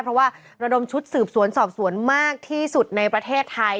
เพราะว่าระดมชุดสืบสวนสอบสวนมากที่สุดในประเทศไทย